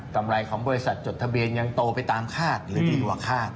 ำไรของบริษัทจดทะเบียนยังโตไปตามคาดหรือดีกว่าคาด